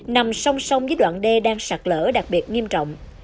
hầm song song với đoạn đê đang sạc lỡ đặc biệt nghiêm trọng